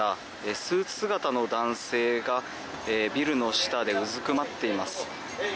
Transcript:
スーツ姿の男性がビルの下でうずくまっています。